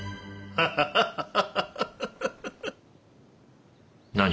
ハハハハハ！